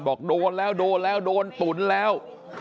บอกโดนแล้วโดนแล้วโดนตุ๋นแล้ว